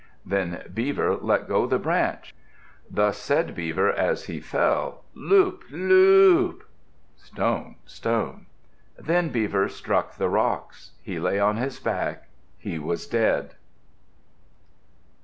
Then Beaver let go the branch. Thus said Beaver as he fell, "Loop! Lo op!" "Stone! Stone!" Then Beaver struck the rocks. He lay on his back. He was dead.